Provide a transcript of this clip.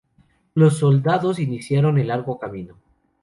Los soldados iniciaron el largo camino.